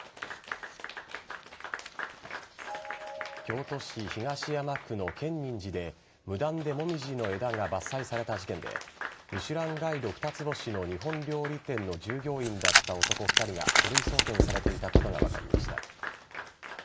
京都市東山区の建仁寺で無断でモミジの枝が伐採された事件でミシュランガイド二つ星の日本料理店の従業員だった男２人が書類送検されていたことが分かりました。